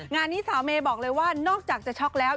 งานนี้สาวเมย์บอกเลยว่านอกจากจะช็อกแล้ว